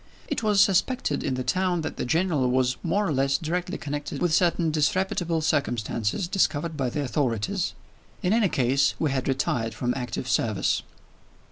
It was suspected in the town that the General was more or less directly connected with certain disreputable circumstances discovered by the authorities. In any case, he had retired from active service.